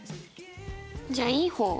じゃあいい方を。